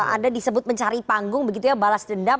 anda disebut mencari panggung begitu ya balas dendam